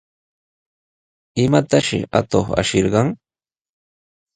¿Imatashi atuq ashirqan?